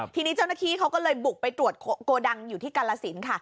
ทีนี้เจ้าหน้าที่เขาก็เลยบุกไปตรวจโกดังอยู่ที่กาลสินค่ะ